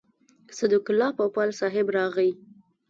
صدیق الله پوپل صاحب راغی.